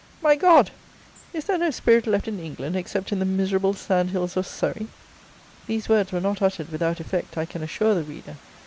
My God! is there no spirit left in England except in the miserable sand hills of Surrey?" These words were not uttered without effect I can assure the reader.